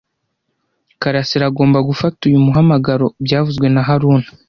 Karasira agomba gufata uyu muhamagaro byavuzwe na haruna